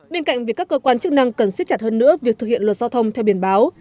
bên cạnh việc các cơ quan chức năng cần siết chặt hơn nữa việc thực hiện luật giao thông theo biển báo